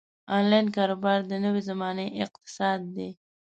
انلاین کاروبار د نوې زمانې اقتصاد دی.